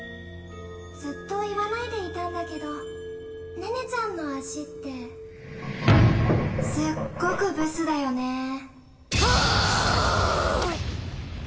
ずっと言わないでいたんだけど寧々ちゃんの足ってすっごくブスだよねああ！